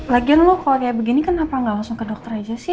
lagian lo kalau kayak begini kenapa nggak langsung ke dokter aja sih